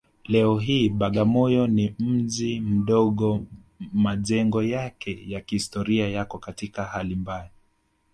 Leo hii Bagamoyo ni mji mdogo Majengo yake ya kihistoria yako katika hali mbaya